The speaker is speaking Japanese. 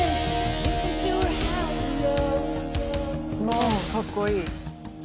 おおかっこいい。